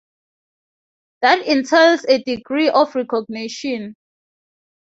That entails a degree of recognition.